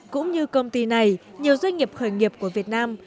cũng như công ty này nhiều doanh nghiệp khởi nghiệp của việt nam